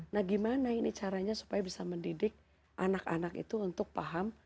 nah gimana ini caranya supaya bisa mendidik anak anak itu untuk paham